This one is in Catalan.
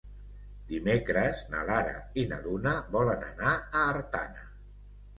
Dimecres na Lara i na Duna volen anar a Artana.